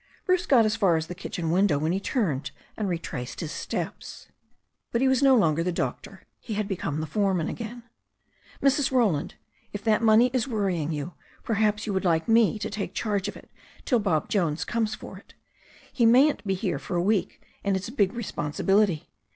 Bruce got as far as the kitchen window when he turned and retraced his steps. But he was no longer the doctor. He had become the foreman again. "Mrs. Roland, if that money is worrying you^ perliaps you y2 THE STORY OF A NEW ZEALAND RIVER would like me to take charge of it till Bob Jones comes for it. He ma3m't be here for a week, and it's a big responsi bility.